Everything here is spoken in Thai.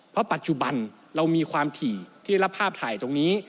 เพราะปัจจุบันเรามีความถี่ที่ได้รับภาพถ่ายตรงนี้